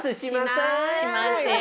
しません。